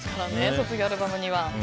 卒業アルバムには。